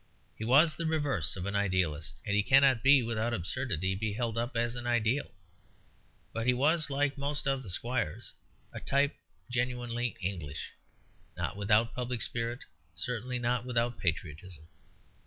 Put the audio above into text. He was the reverse of an idealist; and he cannot without absurdity be held up as an ideal; but he was, like most of the squires, a type genuinely English; not without public spirit, certainly not without patriotism.